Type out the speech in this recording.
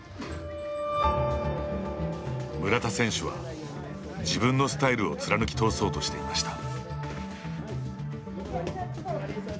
村田選手は自分のスタイルを貫き通そうとしていました。